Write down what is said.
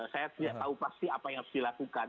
saya tidak tahu pasti apa yang harus dilakukan